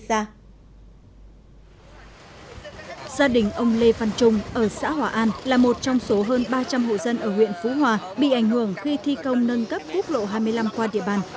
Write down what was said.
gia đình ông lê văn trung ở xã hòa an là một trong số hơn ba trăm linh hộ dân ở huyện phú hòa bị ảnh hưởng khi thi công nâng cấp quốc lộ hai mươi năm qua địa bàn